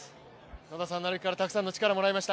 野田さんの歩きから、たくさんの力をもらいました。